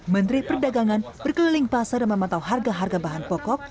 menteri perdagangan berkeliling pasar dan memantau harga harga bahan pokok